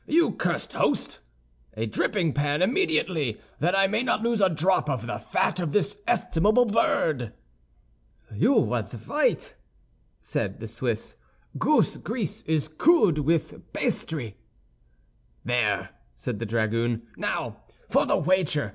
You cursed host! a dripping pan immediately, that I may not lose a drop of the fat of this estimable bird." "You was right," said the Swiss; "goose grease is kood with basdry." "There!" said the dragoon. "Now for the wager!